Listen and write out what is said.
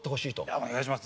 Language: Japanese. いやお願いします